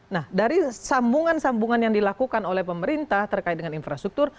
nah dari sambungan sambungan yang dilakukan oleh pemerintah terkait dengan infrastruktur